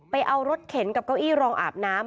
เอารถเข็นกับเก้าอี้รองอาบน้ำ